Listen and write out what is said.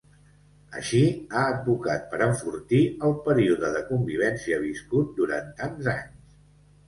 Així, ha advocat per “enfortir” el període de convivència viscut “durant tants anys”.